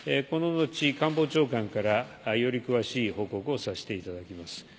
この後、官房長官からより詳しい報告をさせていただきます。